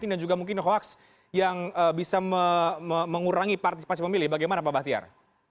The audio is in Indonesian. dan juga mungkin hoax yang bisa mengurangi partisipasi pemilih bagaimana pak bahtiar